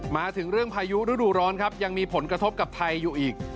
มาถึงเรื่องพายุฤดูร้อนครับยังมีผลกระทบกับไทยอยู่อีก